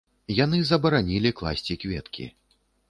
Яны забаранілі класці кветкі.